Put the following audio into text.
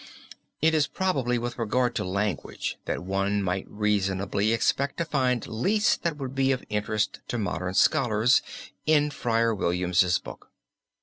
It is probably with regard to language that one might reasonably expect to find least that would be of interest to modern scholars in Friar William's book.